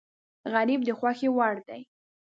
غریب د خوښۍ وړ دی